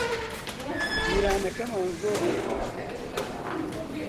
جیرانەکەمان زۆر ڕووخۆشە.